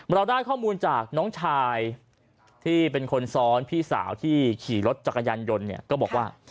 เราได้ข้อมูลจากน้องชายที่เป็นคนซ้อนพี่สาวที่ขี่รถจักรยานยนต์เนี่ยก็บอกว่า